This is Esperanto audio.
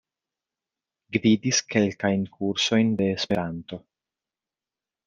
Gvidis kelkajn kursojn de Esperanto.